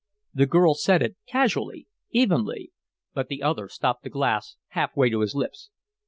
The girl said it, casually, evenly, but the other stopped the glass half way to his lips.